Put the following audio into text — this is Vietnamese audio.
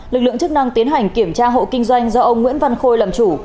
lực lượng chức năng tiến hành kiểm tra hộ kinh doanh do ông nguyễn văn khôi làm chủ